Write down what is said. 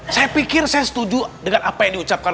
saya pikir saya setuju dengan apa yang diucapkan